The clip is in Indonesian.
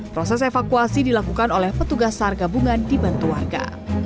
proses evakuasi dilakukan oleh petugas sargabungan dibantu warga